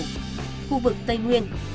khu vực tây nguyên